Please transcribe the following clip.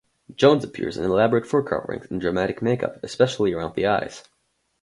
Jones appears in elaborate fur coverings and dramatic makeup, especially around the eyes.